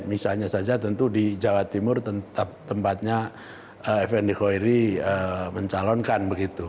misalnya saja tentu di jawa timur tetap tempatnya fnd hoiri mencalonkan begitu